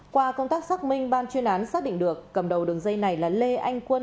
qua công tác xác minh ban chuyên án xác định được cầm đầu đường dây này là lê anh quân